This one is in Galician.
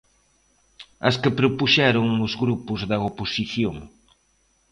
As que propuxeron os grupos da oposición.